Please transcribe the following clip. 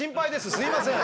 すいません。